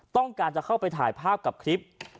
ต้องการจะเข้าไปถ่ายภาพกับคลิป